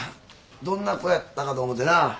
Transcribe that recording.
どんな子やったかと思うてな。